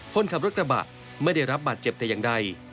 คนขับรถกระบะไม่ได้รับบาดเจ็บแต่อย่างใด